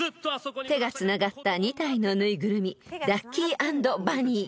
［手がつながった２体の縫いぐるみダッキー＆バニー］